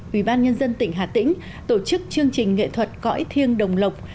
ubnd tỉnh hà tĩnh tổ chức chương trình nghệ thuật cõi thiêng đồng lộc